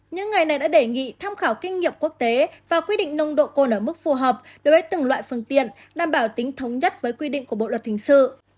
những người này đã đề nghị tham khảo kinh nghiệm quốc tế và quy định nồng độ cồn ở mức phù hợp đối với từng loại phương tiện đảm bảo tính thống nhất với quy định của bộ luật hình sự